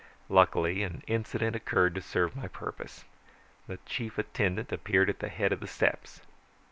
Luckily, an incident occurred to serve my purpose. The chief attendant appeared at the head of the steps.